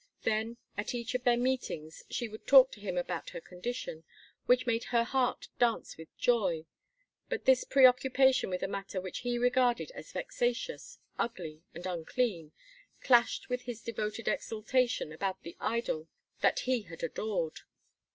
Then at each of their meetings she would talk to him about her condition, which made her heart dance with joy; but this preoccupation with a matter which he regarded as vexatious, ugly, and unclean clashed with his devoted exaltation about the idol that he had adored.